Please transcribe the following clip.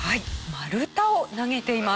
丸太を投げています。